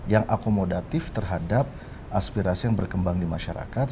yang akomodatif terhadap aspirasi yang berkembang di masyarakat